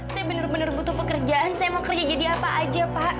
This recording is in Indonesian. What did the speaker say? saya benar benar butuh pekerjaan saya mau kerja jadi apa aja pak